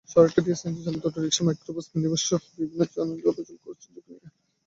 সড়কটি দিয়ে সিএনজিচালিত autorickshaw, microbus, মিনিবাসসহ বিভিন্ন যানবাহন চলাচল করছে ঝুঁকি নিয়ে।